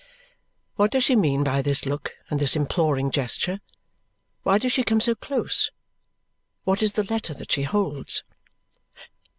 What does she mean by this look and this imploring gesture? Why does she come so close? What is the letter that she holds?